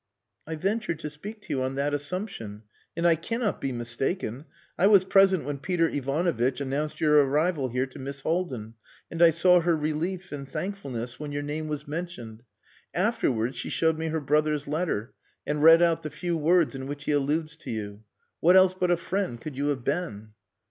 "I ventured to speak to you on that assumption. And I cannot be mistaken. I was present when Peter Ivanovitch announced your arrival here to Miss Haldin, and I saw her relief and thankfulness when your name was mentioned. Afterwards she showed me her brother's letter, and read out the few words in which he alludes to you. What else but a friend could you have been?"